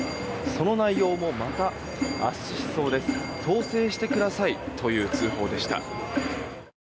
その内容もまた、圧死しそうです統制してくださいという通報でした。